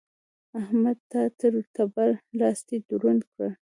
احمده! تا تر تبر؛ لاستی دروند کړ.